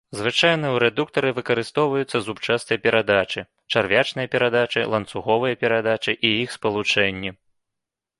Звычайна ў рэдуктары выкарыстоўваюць зубчастыя перадачы, чарвячныя перадачы, ланцуговыя перадачы і іх спалучэнні.